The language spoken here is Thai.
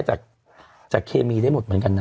จากเคมีได้หมดเหมือนกันนะ